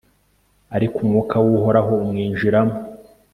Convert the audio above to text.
ariko umwuka w'uhoraho umwinjiramo